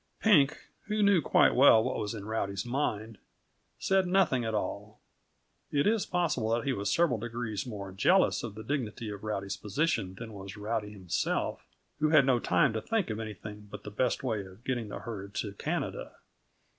Pink, who knew quite well what was in Rowdy's mind, said nothing at all; it is possible that he was several degrees more jealous of the dignity of Rowdy's position than was Rowdy himself, who had no time to think of anything but the best way of getting the herd to Canada.